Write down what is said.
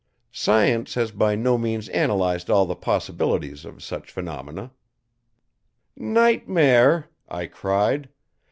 Science has by no means analyzed all the possibilities of such phenomena." "Nightmare!" I cried.